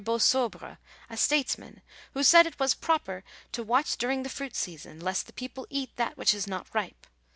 Beausobre, a statesman, who said it was "proper to watch during the fruit season, lest the people eat that which is not ripe"